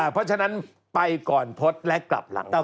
เพราะฉะนั้นไปก่อนพจน์และกลับหลัง